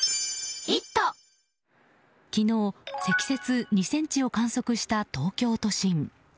昨日、積雪２ｃｍを観測した東京都心。